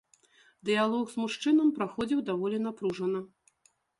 Дыялог з мужчынам праходзіў даволі напружана.